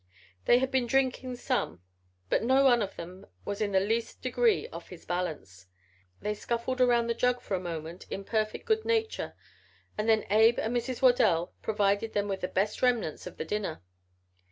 They had been drinking some but no one of them was in the least degree off his balance. They scuffled around the jug for a moment in perfect good nature and then Abe and Mrs. Waddell provided them with the best remnants of the dinner.